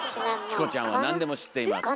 チコちゃんは何でも知っています。